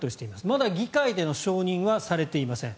まだ議会での承認はされていません。